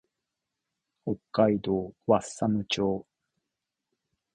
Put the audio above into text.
北海道和寒町